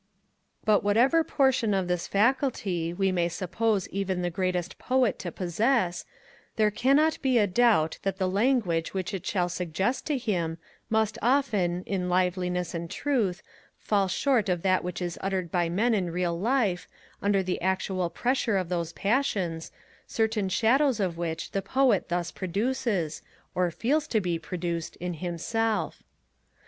But whatever portion of this faculty we may suppose even the greatest Poet to possess, there cannot be a doubt that the language which it will suggest to him, must often, in liveliness and truth, fall short of that which is uttered by men in real life, under the actual pressure of those passions, certain shadows of which the Poet thus produces, or feels to be produced, in himself.